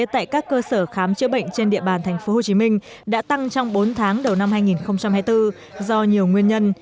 tại các cơ sở khám chữa bệnh trên địa bàn tp hcm đã tăng trong bốn tháng đầu năm hai nghìn hai mươi bốn do nhiều nguyên nhân